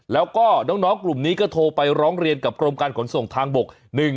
แล้วก็น้องกลุ่มนี้ก็โทรไปร้องเรียนกับกรมการขนส่งทางบก